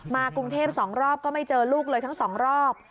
กรุงเทพ๒รอบก็ไม่เจอลูกเลยทั้งสองรอบ